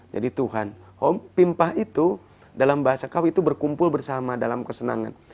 jadi tuhan hong pimpah itu dalam bahasa kau itu berkumpul bersama dalam kesenangan